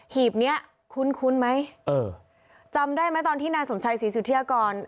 หีบเนี้ยคุ้นคุ้นไหมเออจำได้ไหมตอนที่นายสนชัยสีสิวเที่ยวก่อน